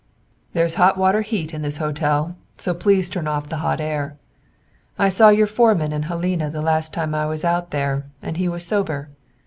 "There's hot water heat in this hotel, so please turn off the hot air. I saw your foreman in Helena the last time I was out there, and he was sober.